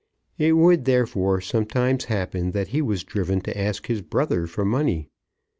It would therefore sometimes happen that he was driven to ask his brother for money.